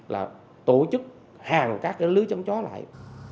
là tổ chức hàng các cái lưới chống chó này